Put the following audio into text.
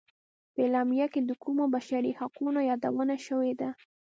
په اعلامیه کې د کومو بشري حقونو یادونه شوې ده.